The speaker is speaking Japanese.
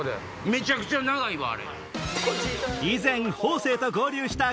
めちゃくちゃ長いわ。